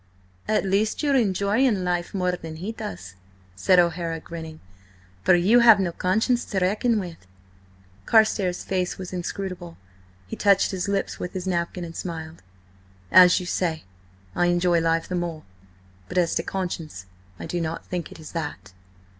"At least, you enjoy life more than he does," said O'Hara, grinning. "For ye have no conscience to reckon with." Carstares' face was inscrutable. He touched his lips with his napkin and smiled. "As you say, I enjoy life the more–but as to conscience, I do not think it is that."